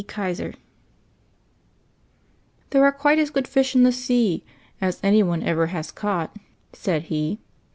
KISER "There are quite as good fish In the sea As any one ever has caught," Said he.